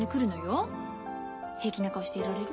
平気な顔していられる？